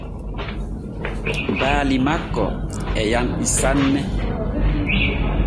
Baali makko e yanɗi sane.